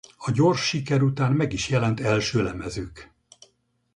A gyors siker után meg is jelent első lemezük.